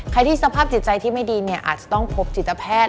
ที่สภาพจิตใจที่ไม่ดีเนี่ยอาจจะต้องพบจิตแพทย์